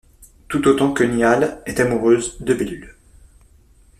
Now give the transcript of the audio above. Tout autant que Nihal est amoureuse de Behlul...